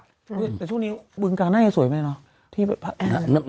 แต่ช่วงนี้บึงการน่าจะสวยไหมเนาะ